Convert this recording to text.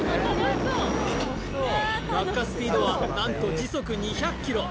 落下スピードは何と時速２００ｋｍ